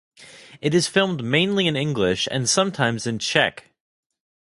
It is filmed mainly in English and sometimes in Czech.